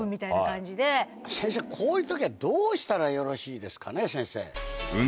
先生こういう時はどうしたらよろしいですかね？